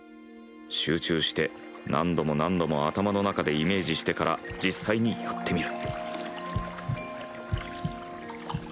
集中して何度も何度も頭の中でイメージしてから実際にやってみる。